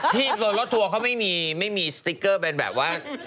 ที่รถทัวร์เขาไม่มีสติกเกอร์แบบว่า